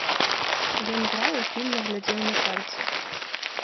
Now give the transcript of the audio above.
Ён граў і пільна глядзеў на пальцы.